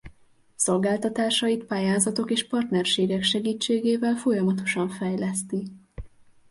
Szolgáltatásait pályázatok és partnerségek segítségével folyamatosan fejleszti.